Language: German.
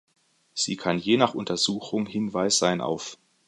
Sie kann je nach Untersuchung Hinweis sein auf